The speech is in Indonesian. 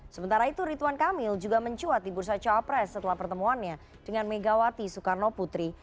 sementara itu rituan kamil juga mencuat di bursa cawapres setelah pertemuannya dengan megawati soekarno putri